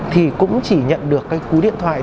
thì cũng chỉ nhận được cái cú điện thoại